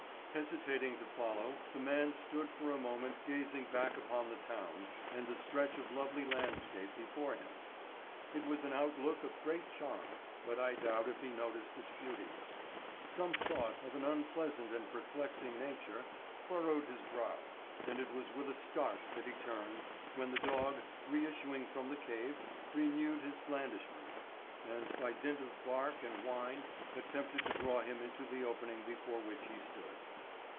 Hesitating to follow, the man stood for a moment gazing back upon the town and the stretch of lovely landscape before him. It was an outlook of great charm, but I doubt if he noticed its beauties. Some thought of an unpleasant and perplexing nature furrowed his brow, and it was with a start that he turned, when the dog, reissuing from the cave, renewed his blandishments, and by dint of bark and whine attempted to draw him into the opening before which he stood.